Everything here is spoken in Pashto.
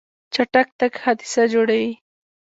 چټک تګ حادثه جوړوي.